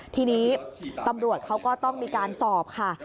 ทีนี้ตำรวจเขาก็ต้องมีการสอบค่ะ